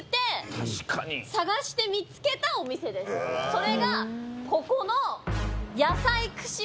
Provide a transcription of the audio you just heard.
それがここの。